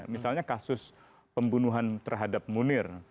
misalnya kasus pembunuhan terhadap munir